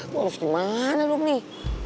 gue harus ke mana dong nih